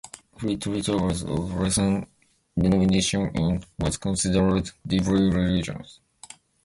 Fritz Reuter was of Lutheran denomination and was considered "deeply religious".